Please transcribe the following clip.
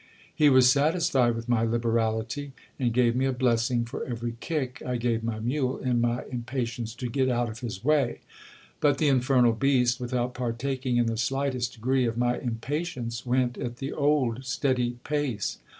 He was satisfied with my liberality, and gave me a blessing for every kick I gave my mule in my impa tience to get out of his way ; but the infernal beast, without partaking in the slightest degree of my impatience, went at the old steady pace.